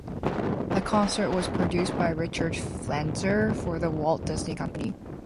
The concert was produced by Richard Flanzer for The Walt Disney Company.